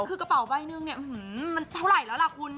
คือกระเป๋าใบหนึ่งเนี่ยมันเท่าไหร่แล้วล่ะคุณ